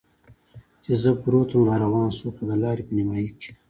چې زه پروت ووم را روان شو، خو د لارې په نیمایي کې.